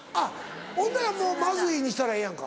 ほんだらもう「まずい」にしたらええやんか。